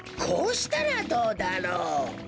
こうしたらどうだろう？